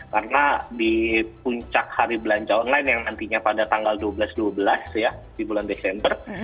karena di puncak hari belanja online yang nantinya pada tanggal dua belas dua belas ya di bulan desember